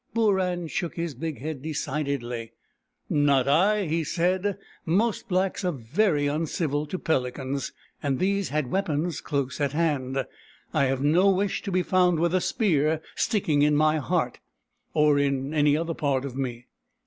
" Booran shook his big head decidedly. " Not I," he said. " Most blacks are very uncivil to pelicans, and these had weapons close at hand. I have no wish to be found with a spear sticking in my heart, or in any other part of me."